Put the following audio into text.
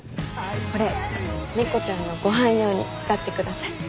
これ猫ちゃんのご飯用に使ってください。